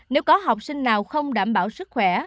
nếu có học sinh nào không đảm bảo sức khỏe